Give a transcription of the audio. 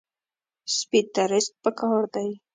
سپي ته رزق پکار دی.